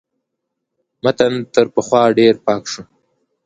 متن تر پخوا ډېر پاک شو.